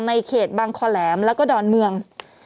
ในเขตบางคอแหลมแล้วก็ดอนเมือง